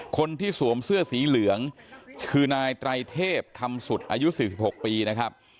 คนที่สวมเสื้อสีเหลืองคือนายไตรเทพคำสุดอายุ๔๖ปีนะครับ